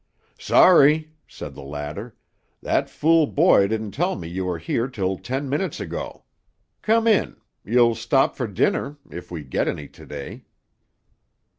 "Sorry," said the latter; "that fool boy didn't tell me you were here till ten minutes ago. Come in. You'll stop for dinner if we get any to day."